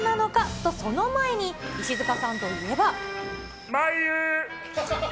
と、その前に、石塚さんといえば。